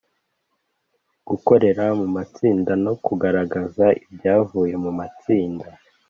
gukorera mu matsinda no kugaragaza ibyavuye mu matsinda